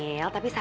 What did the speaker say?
ya aku juga